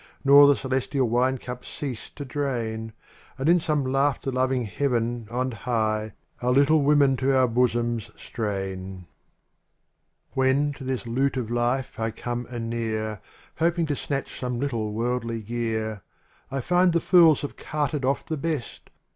Nor the celestial wine cup cease to drain. And in some laughter loving heaven on high Our little women to our bosoms strain. {HEN to this loot of life I come anear. Hoping to snatch some little worldly gear, I find the fools have carted off the best.